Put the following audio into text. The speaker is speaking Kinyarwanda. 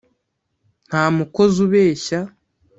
nta mukozi ubeshya